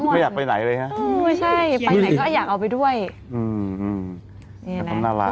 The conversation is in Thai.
ไม่อยากไปไหนเลยฮะ